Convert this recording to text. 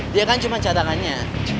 dia kan cuma catakannya